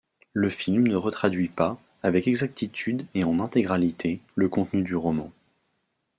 Le film ne retraduit pas, avec exactitude et en intégralité, le contenu du roman.